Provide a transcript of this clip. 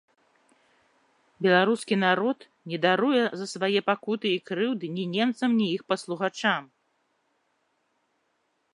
Беларускі народ не даруе за свае пакуты і крыўды ні немцам, ні іх паслугачам.